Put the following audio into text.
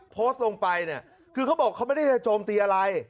โพสต์ลงไปเนี่ยคือเขาบอกเขาไม่ได้จะโจมตีอะไร